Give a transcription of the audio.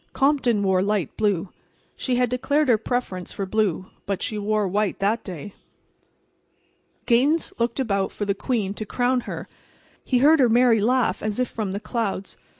Compton wore light blue. She had declared her preference for blue, but she wore white that day. Gaines looked about for the queen to crown her. He heard her merry laugh, as if from the clouds.